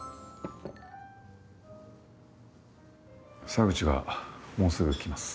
沢口がもうすぐ来ます。